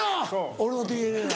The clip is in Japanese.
「俺のＤＮＡだな」。